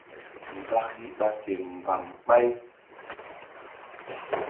Mbaki ɓa fe mgba̧m ɓay.